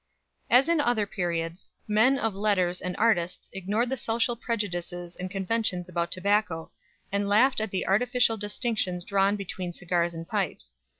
As in other periods, men of letters and artists ignored the social prejudices and conventions about tobacco, and laughed at the artificial distinctions drawn between cigars and pipes.